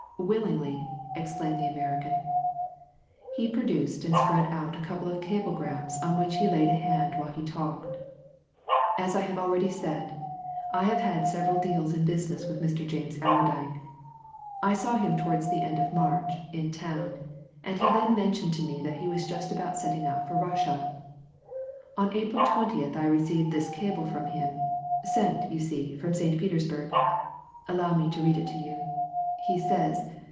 "Willingly!" exclaimed the American. He produced and spread out a couple of cablegrams on which he laid a hand while he talked. "As I have already said, I have had several deals in business with Mr. James Allerdyke. I last saw him towards the end of March, in town, and he then mentioned to me that he was just about setting out for Russia. On April 20th I received this cable from him sent, you see, from St. Petersburg. Allow me to read it to you. He says.